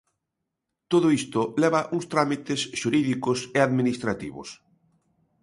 Todo isto leva uns trámites xurídicos e administrativos.